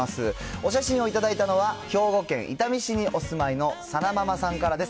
お写真を頂いたのは、兵庫県伊丹市にお住まいのさなママさんからです。